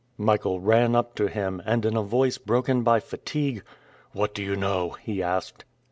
Michael ran up to him, and in a voice broken by fatigue, "What do you know?" he asked.